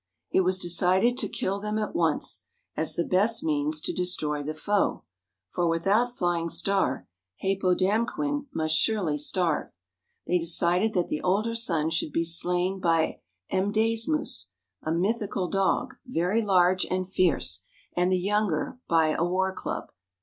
It was decided to kill them at once, as the best means to destroy the foe, for without Flying Star, Hāpōdāmquen must surely starve. They decided that the older son should be slain by "M'dāsmūs" (a mythical dog, very large and fierce), and the younger by a war club.